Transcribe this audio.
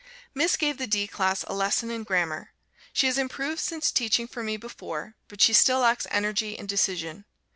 Miss gave the D class a lesson in Grammar. She has improved since teaching for me before, but she still lacks energy and decision.